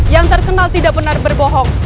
yang terkenal tidak benar berbohong